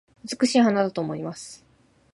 美しい花だと思います